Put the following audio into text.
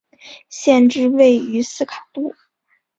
县治位于斯卡杜。